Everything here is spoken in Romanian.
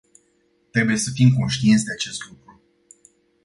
Trebuie să fim conștienți de acest lucru.